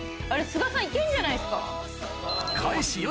すがさん行けんじゃないですか？